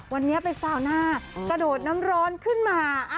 วันนี้ไปซาวน่ากระโดดน้ำร้อนขึ้นมา